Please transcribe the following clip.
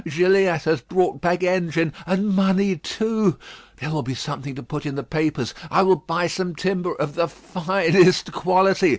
Gilliatt has brought back engine and money too. There will be something to put in the papers. I will buy some timber of the finest quality.